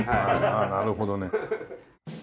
なるほどね。